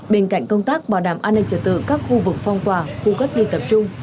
bên cạnh công tác bảo đảm an ninh trật tự các khu vực phong tỏa khu cách ly tập trung